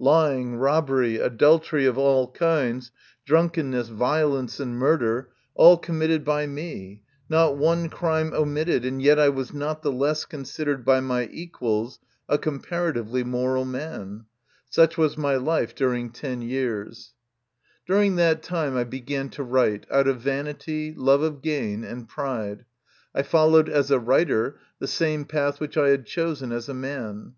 Lying, robbery, adultery of all kinds, drunkenness, violence, and murder, all committed by me, not one crime omitted, and yet I was not the less considered by my equals a comparatively moral man. Such was my life during ten years. MY CONFESSION. 11 During that time I began to write, out of vanity, love of gain, and pride. I followed as a writer the same path which I had chosen as a man.